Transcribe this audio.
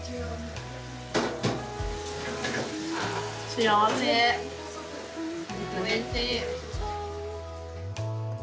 幸せうれしい。